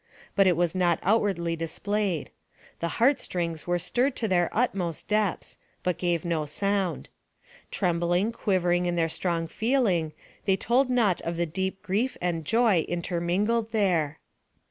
But it was not outwardly displayed. The heart strings were stirred to their utmost depths, but gave no sound. Trembling, quivering in their strong feeling, they told not of the deep grief and joy intermingled there.